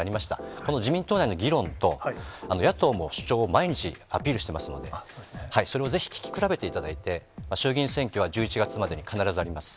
この自民党内の議論と、野党も主張を毎日アピールしていますので、それをぜひ聞き比べていただいて、衆議院選挙は１１月までに必ずあります。